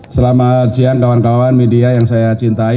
selamat siang kawan kawan media yang saya cintai